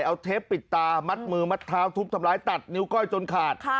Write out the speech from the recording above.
เอาเทปปิดตามัดมือมัดเท้าทุบทำร้ายตัดนิ้วก้อยจนขาด